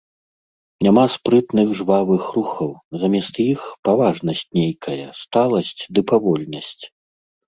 Няма спрытных жвавых рухаў, замест іх паважнасць нейкая, сталасць ды павольнасць.